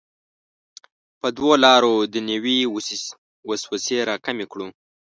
په دوو لارو دنیوي وسوسې راکمې کړو.